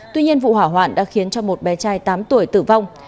tuy nhiên vụ hỏa hoạn đã khiến cho một bé trai tám tuổi tử vong